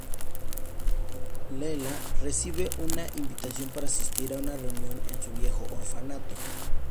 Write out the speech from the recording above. Leela recibe una invitación para asistir a una reunión en su viejo orfanato.